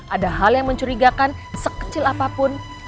ada hal yang mencurigakan sekecil apapun